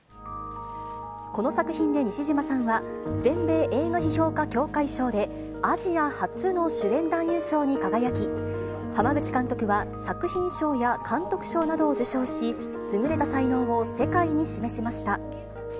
この作品で西島さんは、全米映画批評家協会賞で、アジア初の主演男優賞に輝き、濱口監督は作品賞や監督賞などを受賞し、優れた才能を世界に示しました。